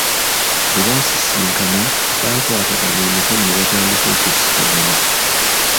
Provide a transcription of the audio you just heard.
Bwe basisinkana bakwatagana emikono ne batandika okusikagana.